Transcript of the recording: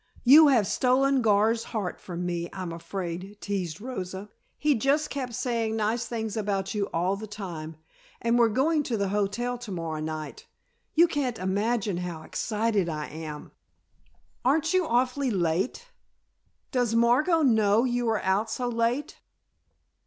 You have stolen Gar's heart from me, I'm afraid," teased Rosa. "He just kept saying nice things about you all the time. And we're going to the hotel to morrow night. You can't imagine how excited I am " "Aren't you awfully late? Does Margot know you are out so late?"